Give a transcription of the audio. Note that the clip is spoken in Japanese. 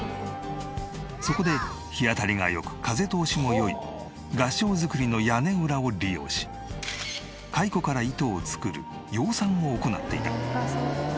そこで日当たりが良く風通しも良い合掌造りの屋根裏を利用し蚕から糸を作る養蚕を行っていた。